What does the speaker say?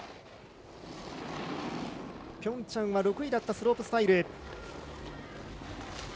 ピョンチャンは６位だったスロープスタイル。